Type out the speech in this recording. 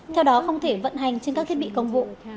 theo đó không thể vận hành trên các thiết bị công vụ